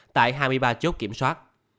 tại hai mươi ba chốt kiểm soát